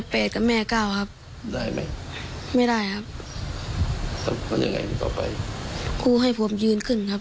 เพราะอะไรมันเหนื่อยครับ